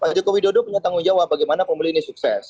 pak joko widodo punya tanggung jawab bagaimana pemilih ini sukses